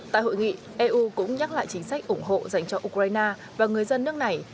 tại hội nghị eu cũng nhắc lại chính sách ủng hộ dành cho ukraine và người dân nước này